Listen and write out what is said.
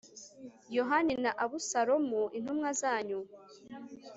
yohani na abusalomu, intumwa zanyu